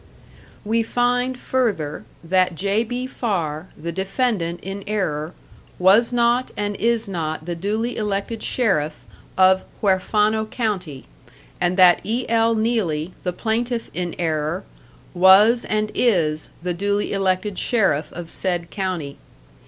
"We find further, that J. B. Farr, the defendant in error, was not and is not the duly elected sheriff of Huerfano county, and that E. L. Neelley, the plaintiff in error, was and is the duly elected sheriff of said county.